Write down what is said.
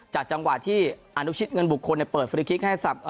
จังหวะที่อนุชิตเงินบุคคลเปิดฟรีคลิกให้สับ